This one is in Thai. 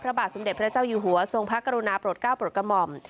พระบาทสมเด็จพระเจ้าอยู่หัวทรงพระกรุณาโปรดก้าวโปรดกระหม่อม